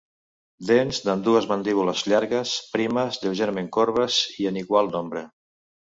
Dents d'ambdues mandíbules llargues, primes, lleugerament corbes i en igual nombre.